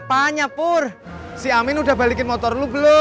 kenapa dia nanggur